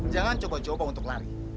jangan coba coba untuk lari